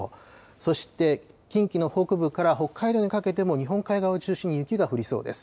そして近畿の北部から北海道にかけても、日本海側を中心に雪が降りそうです。